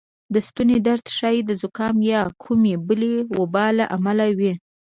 د ستونې درد ښایې د زکام یا کومې بلې وبا له امله وې